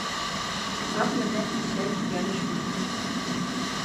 Ат менән ишәк ярышмаҫ.